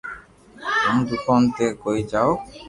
ھون دوڪون تي ڪوئي جاو